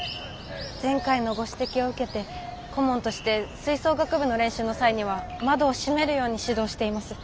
前回のご指摘を受けて顧問として吹奏楽部の練習の際には窓を閉めるように指導しています。